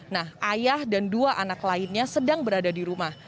nah ayah dan dua anak lainnya sedang berada di rumah